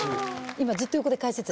今ずっと横で解説。